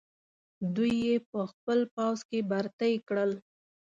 دوی یې په خپل پوځ کې برتۍ کړل.